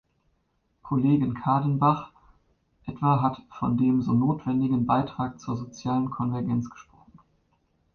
Kollegin Kadenbach etwa hat von dem so notwendigen Beitrag zur sozialen Konvergenz gesprochen.